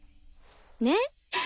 ねっ？